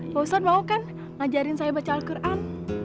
pak ustadz mau kan ngajarin saya baca al quran